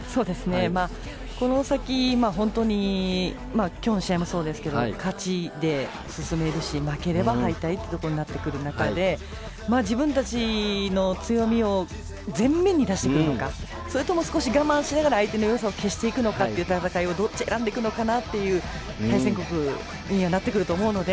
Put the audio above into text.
この先、本当に今日の試合もそうですけど勝ちで進めるし負ければ敗退というところになってくる中で自分たちの強みを前面に出してくるのかそれとも少し我慢しながら相手のよさを消していくのか戦いを、どっち選んでくるのかなという対戦国にはなってくると思うので。